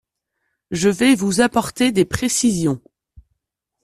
Je vais vous apporter des précisions.